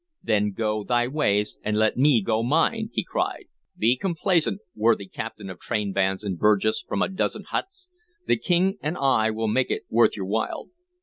"Then go thy ways, and let me go mine!" he cried. "Be complaisant, worthy captain of trainbands and Burgess from a dozen huts! The King and I will make it worth your while."